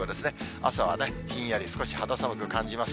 朝はひんやり肌寒く感じます。